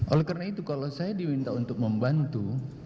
oleh karena itu kalau saya diminta untuk membantu